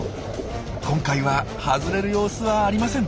今回は外れる様子はありません。